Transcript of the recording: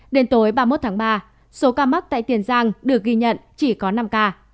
đến tối ba mươi một tháng ba số ca mắc tại tiền giang được ghi nhận chỉ có năm ca